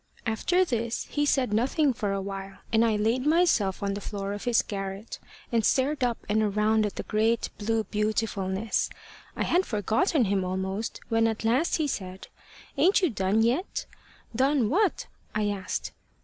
After this he said nothing for a while, and I laid myself on the floor of his garret, and stared up and around at the great blue beautifulness. I had forgotten him almost, when at last he said: `Ain't you done yet?' `Done what?' I asked.